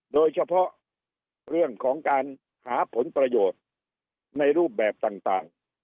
โดยเฉพาะเรื่องของการหาผลประโยชน์ในรูปแบบต่าง